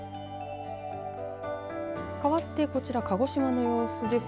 かわってこちら鹿児島の様子です。